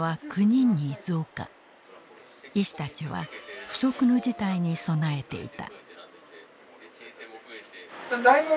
医師たちは不測の事態に備えていた。